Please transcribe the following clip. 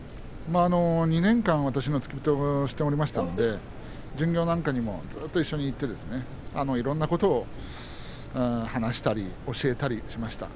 ２年間、私の付け人をしていましたんで巡業などにも一緒に行っていろんなことを話したり教えたりしました。